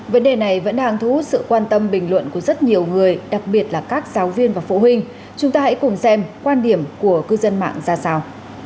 vấn đề này vẫn đang thu hút sự quan tâm bình luận của rất nhiều người đặc biệt là các giáo viên và phụ huynh chúng ta hãy cùng xem quan điểm của cư dân mạng ra sao